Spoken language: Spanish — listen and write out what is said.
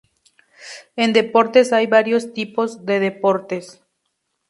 En deportes hay varios tipos de deportes.